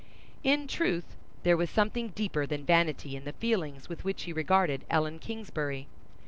In truth, there was something deeper than vanity in the feelings with which he regarded Ellen Kingsbury.